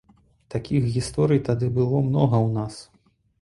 Такіх гісторый тады было многа ў нас.